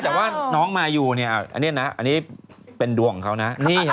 แต่ว่าน้องมายูนี่อันนี้เป็นด่วงเขานะ